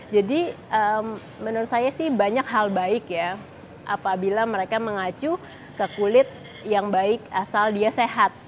jadi menurut saya sih banyak hal baik ya apabila mereka mengacu ke kulit yang baik asal dia sehat